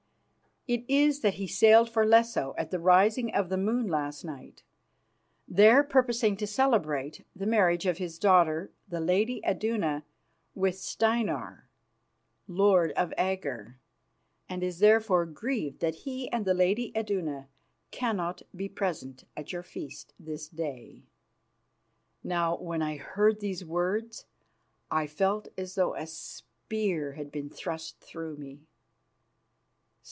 It is that he sailed for Lesso at the rising of the moon last night, there purposing to celebrate the marriage of his daughter, the lady Iduna, with Steinar, lord of Agger, and is therefore grieved that he and the lady Iduna cannot be present at your feast this day." Now, when I heard these words I felt as though a spear had been thrust through me.